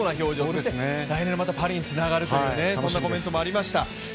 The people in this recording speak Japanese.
そして来年のパリにつながるというコメントもありました。